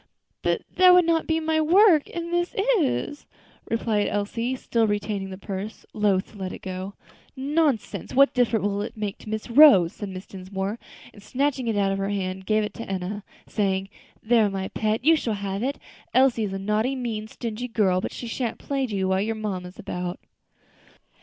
"But that would not be my work, and this is," replied Elsie, still retaining the purse, loath to let it go. "Nonsense! what difference will that make to Miss Rose?" said Mrs. Dinsmore; and snatching it out of her hand, she gave it to Enna, saying, "There, my pet, you shall have it. Elsie is a naughty, mean, stingy girl, but she shan't plague you while your mamma's about."